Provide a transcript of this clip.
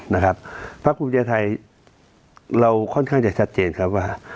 นะครับพระคุณเจษยาไทยเราค่อนข้างจะชัดเจนครับว่า